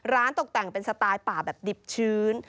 ตกแต่งเป็นสไตล์ป่าแบบดิบชื้น